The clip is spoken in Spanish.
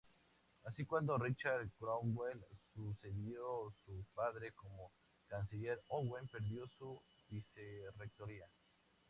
Así, cuando Richard Cromwell sucedió a su padre como canciller, Owen perdió su vicerrectoría.